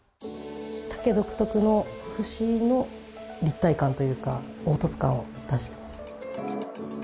竹独特の節の立体感というか凹凸感を出してます